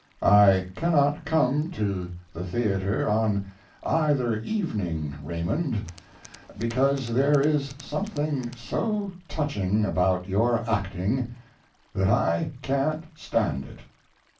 I cannot come to the theater on either evening, Raymond, because there is something so touching about your acting that I can't stand it.